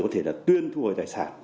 không thể là tuyên thu hồi tài sản